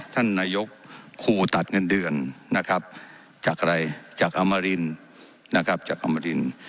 ท่านนายกขู่ตัดเงินเดือนนะครับจากอะไรจากอมรินนะครับจากอมริน